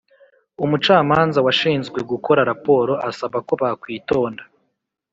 Umucamanza Washinzwe Gukora Raporo Asaba Ko Bakwitonda